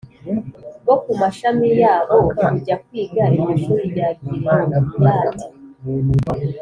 bo ku mashami yabo kujya kwiga iryo shuri rya Gileyadi